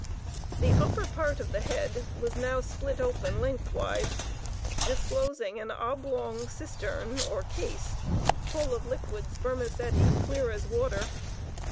The upper part of the head was now slit open lengthwise, disclosing an oblong cistern or "case" full of liquid spermaceti, clear as water.